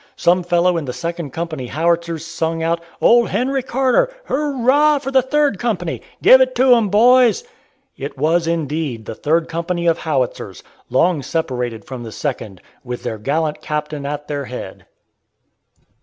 Some fellow in the Second Company Howitzers sung out, "Old Henry Carter! Hurrah! for the Third Company! Give it to 'em, boys!" It was, indeed, the Third Company of Howitzers, long separated from the Second, with their gallant captain at their head!